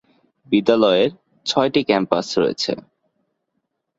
বিদ্যালয়ের ছয়টি ক্যাম্পাস রয়েছে।